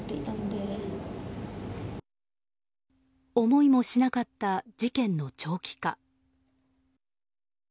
思いもしなかった事件の長期化。